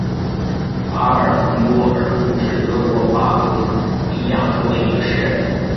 阿尔滕多尔夫是德国巴伐利亚州的一个市镇。